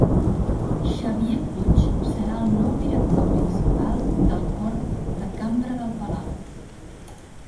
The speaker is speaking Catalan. Xavier Puig serà el nou director principal del Cor de Cambra del Palau.